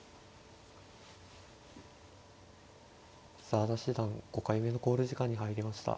澤田七段５回目の考慮時間に入りました。